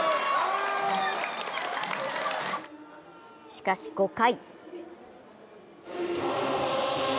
しかし５回。